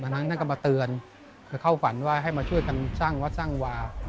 นั้นท่านก็มาเตือนคือเข้าฝันว่าให้มาช่วยกันสร้างวัดสร้างวา